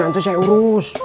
ya sudah nanti saya urus